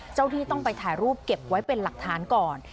ที่ต้องไปถ่ายรูปเก็บไว้เป็นหลักฐานก่อน